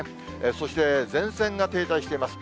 そして前線が停滞しています。